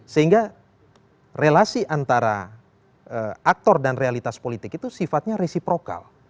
sehingga relasi antara aktor dan realitas politik itu sifatnya resiprokal